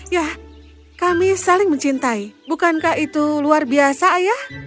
ya kami saling mencintai bukankah itu luar biasa ayah